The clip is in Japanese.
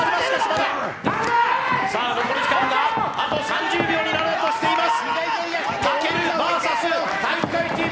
残り時間があと３０秒になろうとしています。